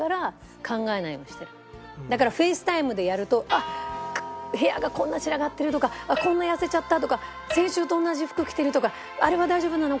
だからＦａｃｅＴｉｍｅでやるとあっ部屋がこんな散らかってるとかこんな痩せちゃったとか先週と同じ服着てるとかあれは大丈夫なの？